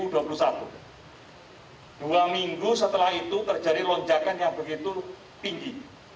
dua minggu setelah itu terjadi lonjakan yang begitu tinggi